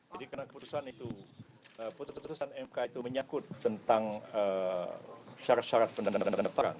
jadi karena keputusan itu putusan keputusan mk itu menyakut tentang syarat syarat pendatangan